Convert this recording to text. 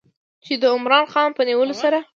چې د عمران خان په نیولو سره